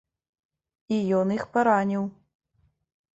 І ён іх параніў.